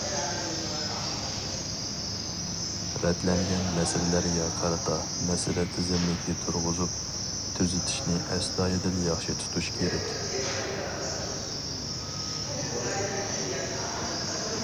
رەتلەنگەن مەسىلىلەرگە قارىتا مەسىلە تىزىملىكى تۇرغۇزۇپ، تۈزىتىشنى ئەستايىدىل ياخشى تۇتۇش كېرەك.